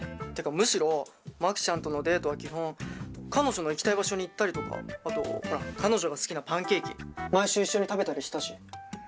むしろマキちゃんとのデートは基本彼女の行きたい場所に行ったりとかあとほら彼女の好きなパンケーキ毎週一緒に食べたりしたし。